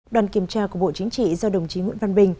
đoàn kiểm tra của bộ chính trị do đồng chí nguyễn văn bình